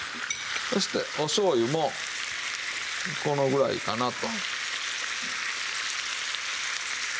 そしてお醤油もこのぐらいかなと。